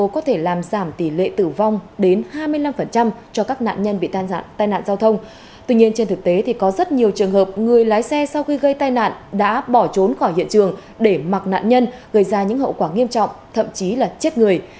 có rất nhiều trường hợp người lái xe sau khi gây tai nạn đã bỏ trốn khỏi hiện trường để mặc nạn nhân gây ra những hậu quả nghiêm trọng thậm chí là chết người